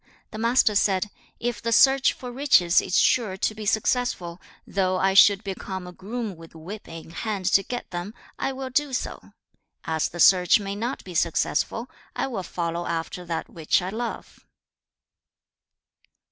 The Master said, 'If the search for riches is sure to be successful, though I should become a groom with whip in hand to get them, I will do so. As the search may not be successful, I will follow after that which I love.'